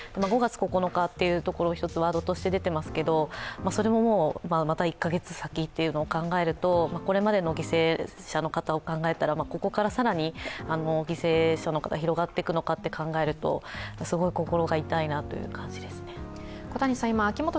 ５月９日というところが１つワードとして出てますけどそれももう、また１カ月先というのを考えるとこれまでの犠牲者の方を考えたら、ここから更に犠牲者が広がっていくのかと考えるとすごい心が痛いなという感じですね。